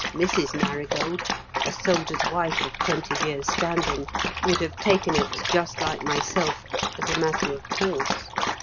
And Mrs. Marigold, a soldier's wife of twenty years' standing, would have taken it, just like myself, as a matter of course.